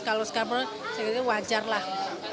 kalau sekarang baru saya kira wajarlah